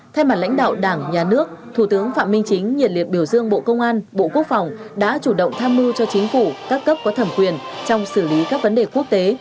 thay mặt lãnh đạo đảng nhà nước thủ tướng phạm minh chính nhiệt liệt biểu dương bộ công an bộ quốc phòng đã chủ động tham mưu cho chính phủ các cấp có thẩm quyền trong xử lý các vấn đề quốc tế